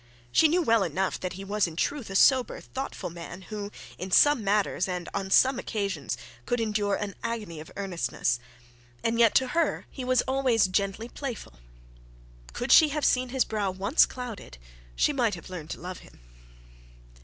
She knew well enough that he was in truth a sober thoughtful man, who in some matters and on some occasions could endure an agony of earnestness. And yet to her he was always gently playful. Could she have seen his brow once clouded she might have learnt to love him.